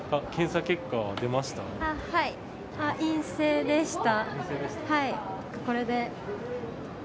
陰性でした。